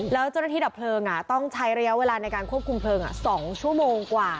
แล้วเจ้าหน้าที่ดับเพลิงต้องใช้ระยะเวลาในการควบคุมเพลิง๒ชั่วโมงกว่า